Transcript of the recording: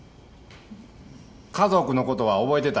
家族のことは覚えてた？